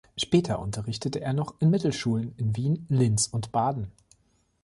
Später unterrichtete er noch in Mittelschulen in Wien, Linz und Baden.